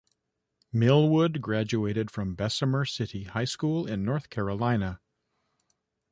Millwood graduated from Bessemer City High School in North Carolina.